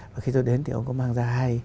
và khi tôi đến thì ông ấy có mang ra